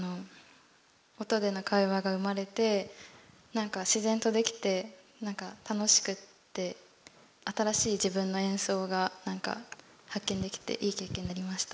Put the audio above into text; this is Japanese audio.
音での会話が生まれてなんか自然とできてなんか楽しくって新しい自分の演奏がなんか発見できていい経験になりました。